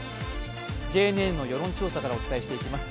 ＪＮＮの世論調査からお伝えしていきます。